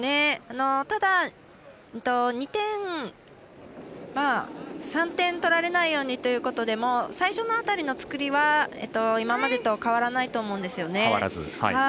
ただ、３点取られないようにということで最初の辺りの作りは、今までと変わらないと思うんですよね。